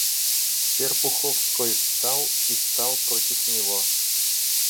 Серпуховской встал и стал против него.